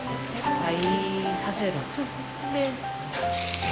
はい。